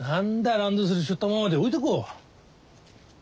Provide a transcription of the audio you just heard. ランドセルしょったままで置いてこ。